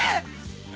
あ？